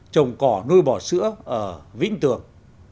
trồng cỏ nuôi bò sữa ở vĩnh tường